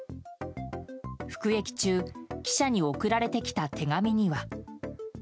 服役中、記者に送られてきた手紙には。